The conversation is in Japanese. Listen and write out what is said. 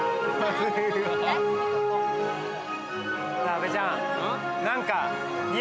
阿部ちゃん。